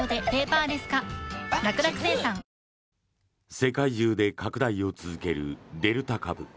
世界中で拡大を続けるデルタ株。